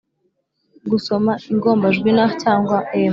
-gusoma ingombajwi n cyangwa m;